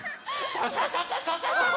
ササササササササ。